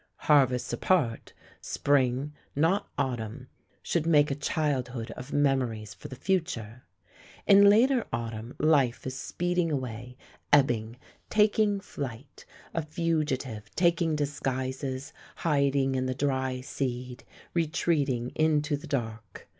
Harvests apart, Spring, not Autumn, should make a childhood of memories for the future. In later Autumn, life is speeding away, ebbing, taking flight, a fugitive, taking disguises, hiding in the dry seed, retreating into the dark.